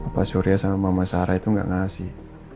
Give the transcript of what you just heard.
papa surya sama mama sarah itu gak ngasih